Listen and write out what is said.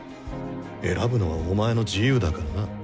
選ぶのはお前の自由だからな。